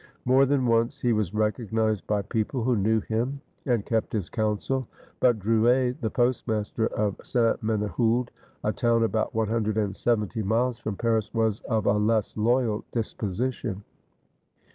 More than once he was recognized by people who knew him and kept his counsel; but Drouet, the postmaster at Ste. Menehould, a town about one hundred and seventy miles from Paris, was of a less loyal disposition.